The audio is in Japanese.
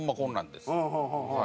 はい。